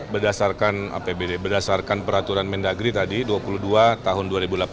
berdasarkan apbd berdasarkan peraturan mendagri tadi dua puluh dua tahun dua ribu delapan belas